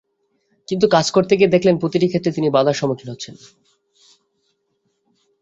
কিন্তু কাজ করতে গিয়ে দেখলেন প্রতিটি ক্ষেত্রে তিনি বাধার সম্মুখীন হচ্ছেন।